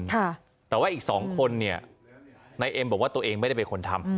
แต่ว่าอีก๒คนในเอ็มบอกว่าตัวเองไม่ได้เป็นคนทำ